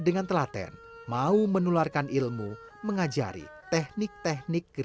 namun usaha lelaki ini